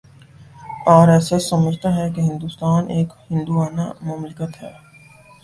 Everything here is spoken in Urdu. آر ایس ایس سمجھتا ہے کہ ہندوستان ایک ہندووانہ مملکت ہے